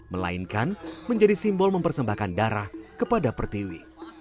melainkan menjadi simbol mempersembahkan darah kepada pertiwi